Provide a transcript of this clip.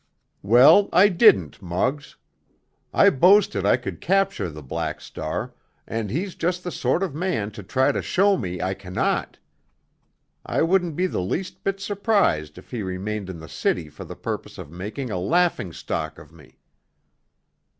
"Well, I didn't, Muggs. I boasted I could capture the Black Star, and he's just the sort of man to try to show me I cannot. I wouldn't be the least bit surprised if he remained in the city for the purpose of making a laughingstock of me."